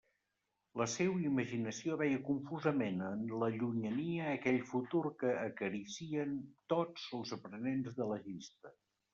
La seua imaginació veia confusament en la llunyania aquell futur que acaricien tots els aprenents de legista.